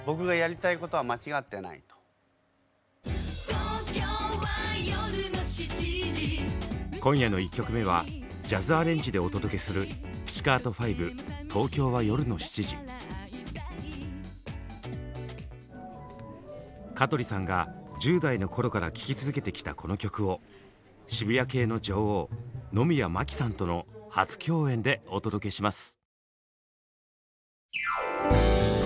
あれにちょっと「トーキョーは夜の七時」今夜の１曲目はジャズアレンジでお届けする香取さんが１０代の頃から聴き続けてきたこの曲を渋谷系の女王野宮真貴さんとの初共演でお届けします。